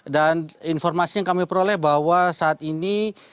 dan informasi yang kami peroleh bahwa saat ini